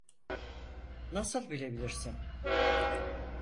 Nasıl bilebilirsin?